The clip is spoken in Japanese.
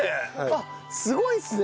あっすごいですね。